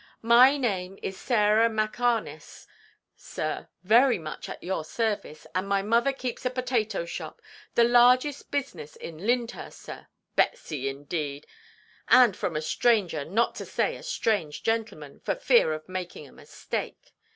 My name is Sarah Mackarness, sir, very much at your service; and my mother keeps a potato–shop, the largest business in Lyndhurst, sir. Betsy, indeed! and from a stranger, not to say a strange gentleman, for fear of making a mistake.